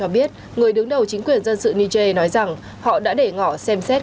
cho biết người đứng đầu chính quyền dân sự niger nói rằng họ đã để ngỏ xem xét